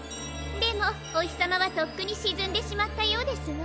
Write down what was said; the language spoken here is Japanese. でもお日さまはとっくにしずんでしまったようですわ。